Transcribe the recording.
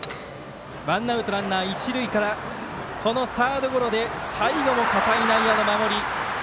ワンアウト、ランナー、一塁からこのサードゴロで最後も堅い内野の守り。